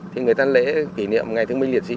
thì người ta lễ kỷ niệm ngày thương minh liệt sĩ